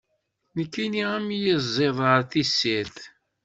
Nekni am yiẓid ɣer tessirt.